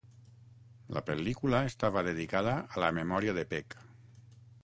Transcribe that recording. La pel·lícula estava dedicada a la memòria de Peck.